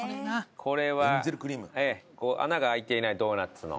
穴が開いていないドーナツの。